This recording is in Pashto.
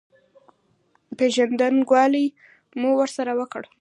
پېژندګلوي مو ورسره وکړه.